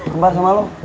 kembar sama lo